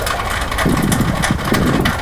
دا هغه داستان دی چي پاپانو او کشيشانو جوړ کړ.